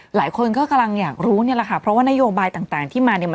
หืมหืมหืมหืม